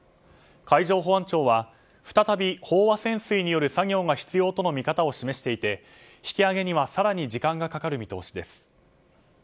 海上保安庁は再び飽和潜水による作業が必要との見方を示していて引き揚げには更に時間がかかる見通しです。